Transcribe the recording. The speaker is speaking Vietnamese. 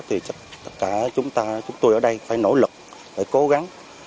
thì tất cả chúng tôi ở đây phải nỗ lực để cố gắng